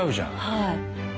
はい。